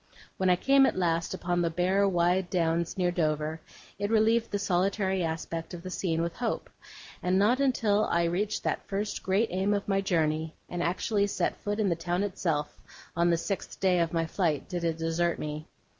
When I came, at last, upon the bare, wide downs near Dover, it relieved the solitary aspect of the scene with hope; and not until I reached that first great aim of my journey, and actually set foot in the town itself, on the sixth day of my flight, did it desert me.